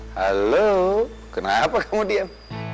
halo kenapa kamu diam